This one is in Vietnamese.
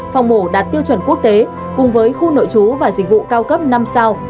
phòng mổ đạt tiêu chuẩn quốc tế cùng với khu nội trú và dịch vụ cao cấp năm sao